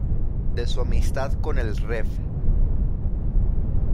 De su amistad con el Rev.